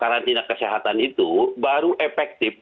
karantina kesehatan itu baru efektif